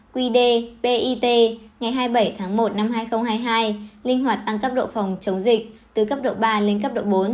quy đề bit ngày hai mươi bảy tháng một năm hai nghìn hai mươi hai linh hoạt tăng cấp độ phòng chống dịch từ cấp độ ba lên cấp độ bốn